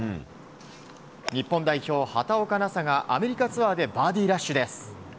日本代表、畑岡奈紗がアメリカツアーでバーディーラッシュです。